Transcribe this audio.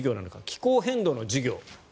気候変動の授業。